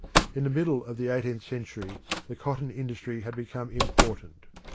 In the middle of the eighteenth century the cotton industry had become important.